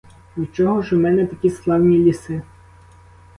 Від чого ж у мене такі славні ліси?